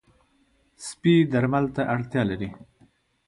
سپي درمل ته اړتیا لري.